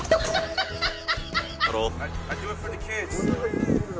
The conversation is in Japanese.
ハハハハ！